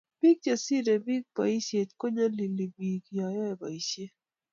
Biik chesirei biik boisiet konyalili biik cheyoe boishiet